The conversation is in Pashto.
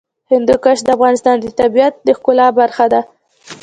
هندوکش د افغانستان د طبیعت د ښکلا برخه ده.